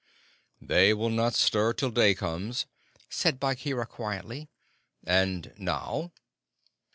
"They will not stir till day comes," said Bagheera quietly. "And now?"